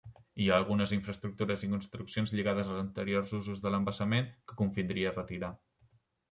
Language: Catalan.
Hi ha algunes infraestructures i construccions lligades als anteriors usos de l'embassament, que convindria retirar.